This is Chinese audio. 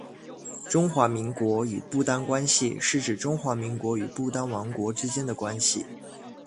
中华民国与不丹关系是指中华民国与不丹王国之间的关系。